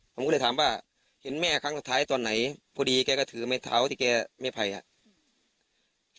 ผมก็เลยถามว่าเห็นแม่ครั้งสุดท้ายตอนไหนพอดีแกก็ถือไม้เท้าที่แกไม่ไผ่ครับ